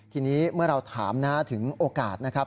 ทีนี้เมื่อเราถามนะถึงโอกาสนะครับ